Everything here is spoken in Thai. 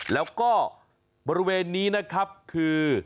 แล้วก็บริเวณนี้คือ